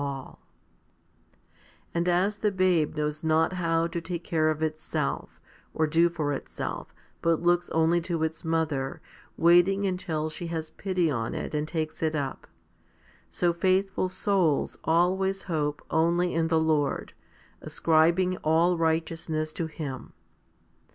HOMILY XXXI 231 And as the babe knows not how to take care of itself, or do for itself, but looks only to its mother, waiting until she has pity on it and takes it up, so faithful souls always hope only in the Lord, ascribing all righteousness to Him.